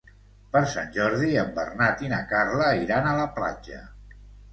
Per Sant Jordi en Bernat i na Carla iran a la platja.